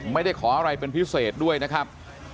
ไม่ได้ขออะไรเป็นพิเศษด้วยนะครับ